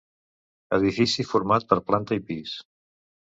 Edifici format per planta i pis.